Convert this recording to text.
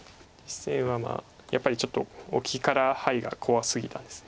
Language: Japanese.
実戦はやっぱりちょっとオキからハイが怖すぎたんです。